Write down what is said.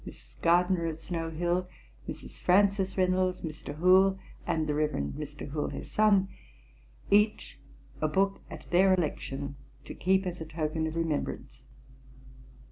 Mrs. Gardiner [F 5], of Snow hill, Mrs. Frances Reynolds, Mr. Hoole, and the Reverend Mr. Hoole, his son, each a book at their election, to keep as a token of remembrance.